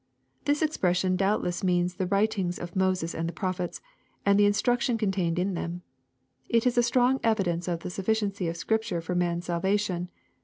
] This expression doubtless means the writings of Moses and the prophets, and the instruction con tained in them. It is a strong evidence of the sufficiency of Scripture for man's salvation.